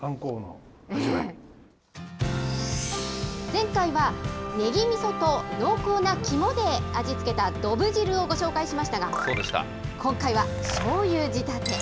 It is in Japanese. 前回は、ねぎみそと濃厚な肝で味付けたどぶ汁をご紹介しましたが、今回はしょうゆ仕立て。